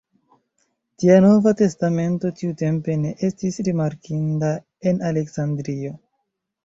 Tia Nova Testamento tiutempe ne estis rimarkinda en Aleksandrio.